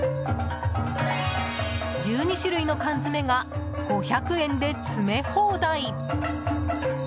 １２種類の缶詰が５００円で詰め放題。